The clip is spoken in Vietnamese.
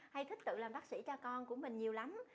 hay thích tự làm bác sĩ cho con của mình nhiều lắm